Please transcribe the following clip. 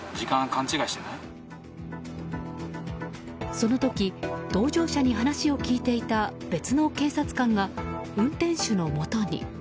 その時、同乗者に話を聞いていた別の警察官が運転手のもとに。